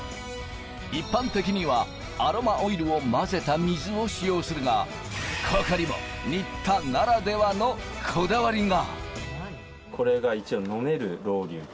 一般的にはアロマオイルを混ぜた水を使用するが、ここにも新田ならではのこだわりが。